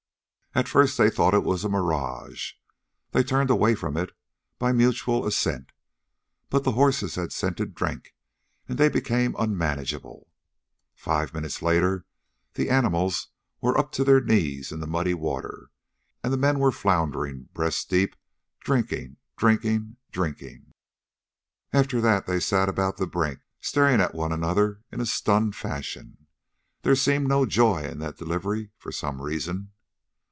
At first they thought it was a mirage. They turned away from it by mutual assent. But the horses had scented drink, and they became unmanageable. Five minutes later the animals were up to their knees in the muddy water, and the men were floundering breast deep, drinking, drinking, drinking. After that they sat about the brink staring at one another in a stunned fashion. There seemed no joy in that delivery, for some reason.